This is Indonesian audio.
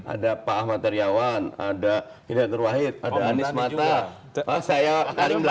ada pak ahmad teriawan ada hidratur wahid ada anies mata pak sayo karim blak